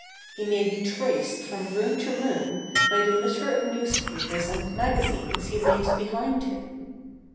He may be traced from room to room by the litter of newspapers and magazines he leaves behind him.